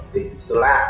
tỉnh sơn la